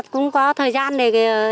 cũng có thời gian để